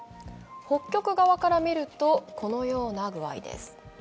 北極側から見るとこのような具合です。